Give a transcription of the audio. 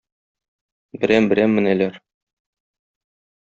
Берәм-берәм менәләр.